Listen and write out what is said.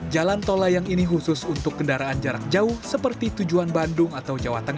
jalan tol layang ini khusus untuk kendaraan jarak jauh seperti tujuan bandung atau jawa tengah